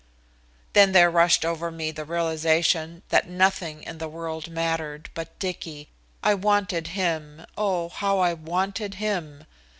Then there rushed over me the realization that nothing in the world mattered but Dicky. I wanted him, oh how I wanted him!